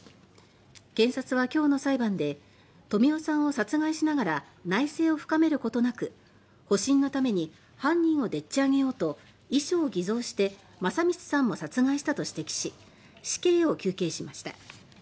検察は今日の裁判で「富夫さんを殺害しながら内省を深めることなく保身のために犯人をでっち上げようと遺書を偽造して聖光さんも殺害した」と指摘し死刑を求刑しました。